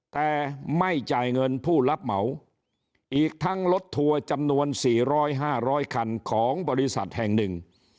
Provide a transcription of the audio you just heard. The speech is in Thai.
แต่ไม่จ่ายเงินผู้รับเหมาอีกทั้งรถทัวร์จำนวน๔๐๐๕๐๐คันของบริษัทแห่งหนึ่ง